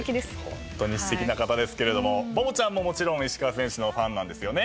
ホントにすてきな方ですけれどもバボちゃんももちろん石川選手のファンなんですよね？